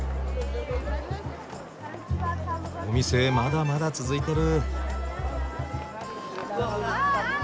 お店まだまだ続いてる。